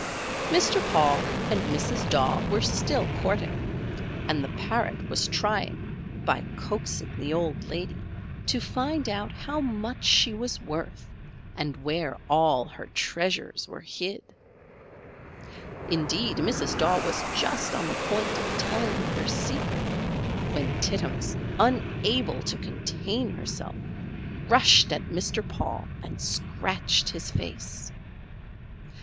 [Illustration: EAVES DROPPERS.] Mr. Paul and Mrs. Daw were still courting, and the Parrot was trying, by coaxing the old lady, to find out how much she was worth, and where all her treasures were hid. Indeed Mrs. Daw was just on the point of telling him her secret, when Tittums, unable to contain herself, rushed at Mr. Paul and scratched his face.